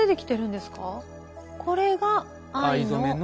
これが藍の。